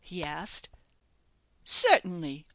he asked. "Certainly."